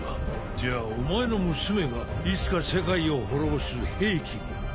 じゃあお前の娘がいつか世界を滅ぼす兵器に